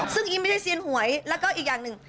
ซึ่งอีไม่ได้เซียนหวยแล้วก็อีกอย่างหนึ่ง